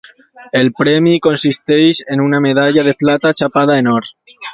El premi consisteix en una medalla de plata xapada en or.